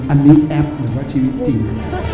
อันนี้แอปหรือว่าชีวิตจริง